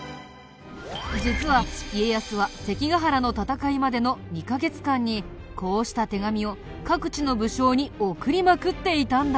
実は家康は関ヶ原の戦いまでの２カ月間にこうした手紙を各地の武将に送りまくっていたんだ。